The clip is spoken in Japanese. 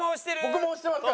僕も推してますから。